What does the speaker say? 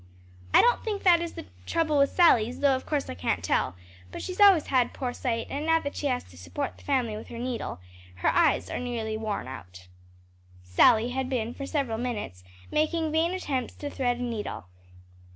"I don't think that is the trouble with Sally's; though of course I can't tell. But she's always had poor sight, and now that she has to support the family with her needle, her eyes are nearly worn out." Sally had been for several minutes making vain attempts to thread a needle.